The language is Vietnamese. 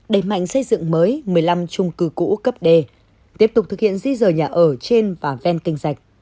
đẩy mạnh xây dựng mới một mươi năm trung cư cũ cấp d tiếp tục thực hiện di rời nhà ở trên và ven kênh dạch